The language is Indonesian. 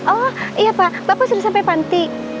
oh iya pak bapak sudah sampai panti